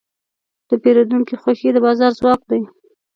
د پیرودونکي خوښي د بازار ځواک دی.